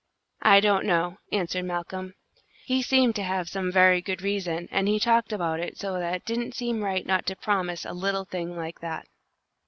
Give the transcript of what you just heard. "I don't know," answered Malcolm. "He seemed to have some very good reason, and he talked about it so that it didn't seem right not to promise a little thing like that."